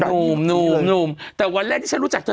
หนุ่มหนุ่มแต่วันแรกที่ฉันรู้จักเธอ